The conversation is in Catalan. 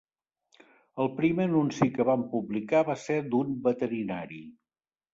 El primer anunci que vam publicar va ser d'un veterinari.